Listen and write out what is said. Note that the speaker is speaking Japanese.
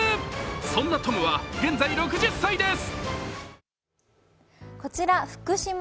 そんなトムは現在６０歳です。